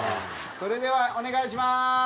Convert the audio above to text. それではお願いします。